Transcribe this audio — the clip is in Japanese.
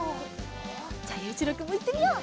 じゃあゆういちろうくんもいってみよう！